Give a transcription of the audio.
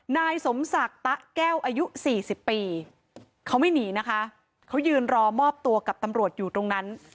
นายสมศักดิ์ตะแก้วอายุสี่สิบปีเขาไม่หนีนะคะเขายืนรอมอบตัวกับตำรวจอยู่ตรงนั้น